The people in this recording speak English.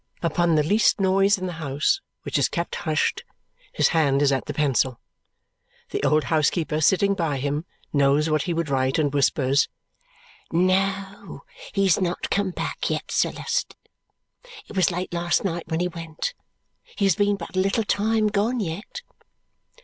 Upon the least noise in the house, which is kept hushed, his hand is at the pencil. The old housekeeper, sitting by him, knows what he would write and whispers, "No, he has not come back yet, Sir Leicester. It was late last night when he went. He has been but a little time gone yet."